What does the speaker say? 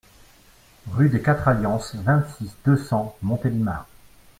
Rue des Quatre Alliances, vingt-six, deux cents Montélimar